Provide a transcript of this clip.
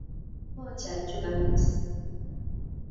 bo ng'o chaichu king'etu?